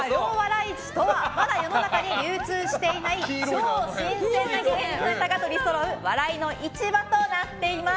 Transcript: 市とはまだ世の中に流通していない超新鮮なネタがとりそろう笑いの市場となっています。